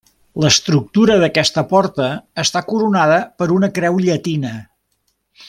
L'estructura d'aquesta porta està coronada per una creu llatina.